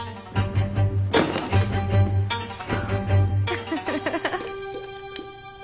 ウフフフ。